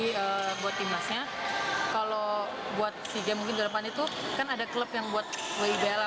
jadi buat timnasnya kalau buat sea games mungkin di depan itu kan ada klub yang buat wibela